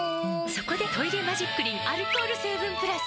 そこで「トイレマジックリン」アルコール成分プラス！